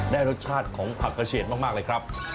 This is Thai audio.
ได้รสชาติของผักกระเฉียดมากเลยครับ